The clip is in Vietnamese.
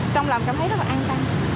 trong lòng cảm thấy rất là an toàn